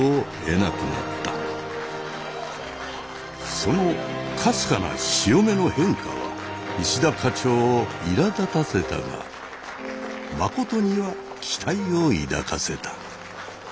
そのかすかな潮目の変化は石田課長をいらだたせたが真には期待を抱かせた。